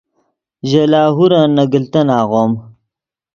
ژے لاہورن نے گلتن آغوم